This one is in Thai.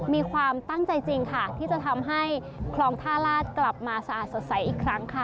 มีความตั้งใจจริงค่ะที่จะทำให้คลองท่าลาดกลับมาสะอาดสดใสอีกครั้งค่ะ